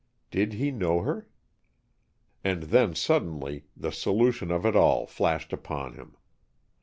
Did he know her? And then suddenly, the solution of it all flashed upon him.